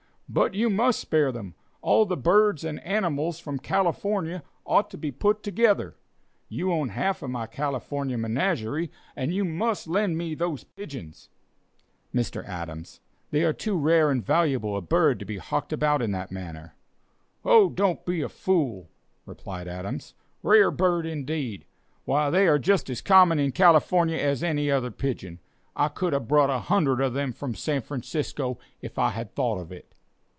"But you must spare them. All the birds and animals from California ought to be together. You own half of my California menagerie, and you must lend me those pigeons." "Mr. Adams, they are too rare and valuable a bird to be hawked about in that manner." "Oh, don't be a fool," replied Adams. "Rare bird, indeed! Why they are just as common in California as any other pigeon! I could have brought a hundred of them from San Francisco, if I had thought of it."